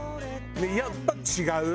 やっぱ違う？